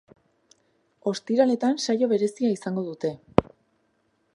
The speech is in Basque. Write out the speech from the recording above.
Ostiraletan saio berezia izango dute.